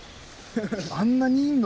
・あんなにいんの！